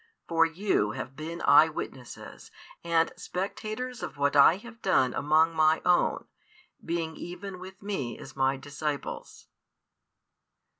For you have been eye witnesses and spectators of what I have done among My own, being even with Me as My disciples.